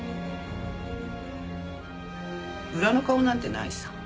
裏の顔なんてないさ。